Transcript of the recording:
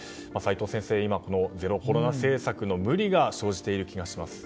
齋藤先生、今ゼロコロナ政策の無理が生じている気がします。